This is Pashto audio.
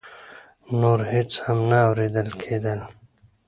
نور هېڅ هم نه اورېدل کېدل.